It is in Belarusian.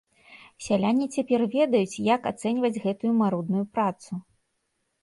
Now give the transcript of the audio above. Сяляне цяпер ведаюць, як ацэньваць гэтую марудную працу.